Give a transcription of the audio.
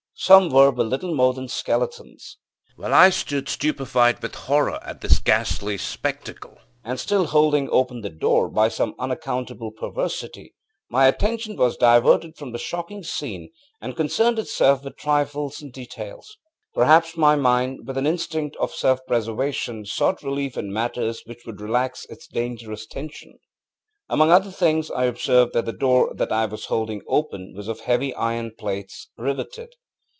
Some were but little more than skeletons. ŌĆ£While I stood stupefied with horror by this ghastly spectacle and still holding open the door, by some unaccountable perversity my attention was diverted from the shocking scene and concerned itself with trifles and details. Perhaps my mind, with an instinct of self preservation, sought relief in matters which would relax its dangerous tension. Among other things, I observed that the door that I was holding open was of heavy iron plates, riveted.